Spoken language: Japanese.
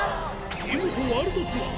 「イモトワールドツアー」